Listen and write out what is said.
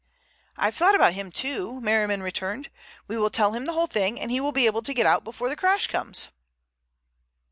"I've thought about him too," Merriman returned. "We will tell him the whole thing, and he will be able to get out before the crash comes."